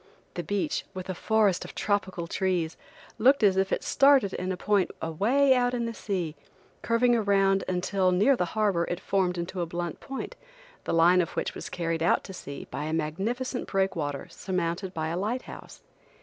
The beach, with a forest of tropical trees, looked as if it started in a point away out in the sea, curving around until near the harbor it formed into a blunt point, the line of which was carried out to sea by a magnificent breakwater surmounted by a light house.